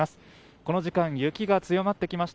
この時間、雪が強まってきました。